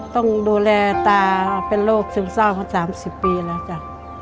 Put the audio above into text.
ต้องดูแลตาเป็นโรคซึมเศร้ามา๓๐ปีแล้วจ้ะ